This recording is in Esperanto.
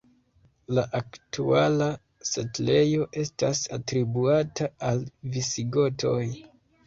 La aktuala setlejo estas atribuata al visigotoj.